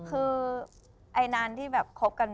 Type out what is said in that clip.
คือไอ้นานที่แบบคบกัน